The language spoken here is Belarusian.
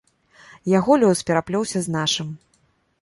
Яго лёс пераплёўся з нашым.